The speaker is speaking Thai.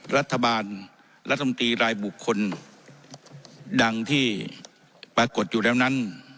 รัฐบาลรัฐมนตรีรายบุคคลดังที่ปรากฏอยู่แล้วนั้น